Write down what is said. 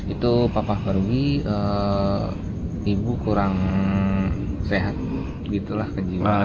itu papa perwi ibu kurang sehat gitu lah kejiwaan